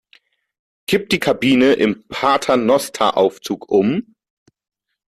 Kippt die Kabine im Paternosteraufzug um?